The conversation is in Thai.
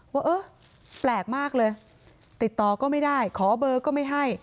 ว่าเออแปลกมากเลยติดต่อก็ไม่ได้ขอเบอร์ก็ไม่ให้